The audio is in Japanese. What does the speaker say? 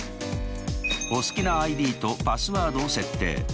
お好きなＩＤとパスワードを設定。